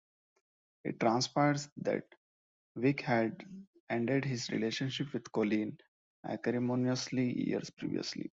It transpires that Vic had ended his relationship with Colleen acrimoniously years previously.